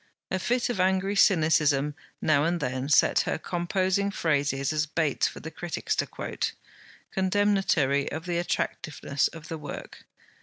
A fit of angry cynicism now and then set her composing phrases as baits for the critics to quote, condemnatory of the attractiveness of the work.